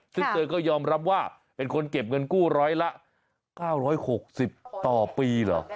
ซึ่งเธอก็ยอมรับว่าเป็นคนเก็บเงินกู้ร้อยละ๙๖๐ต่อปีเหรอ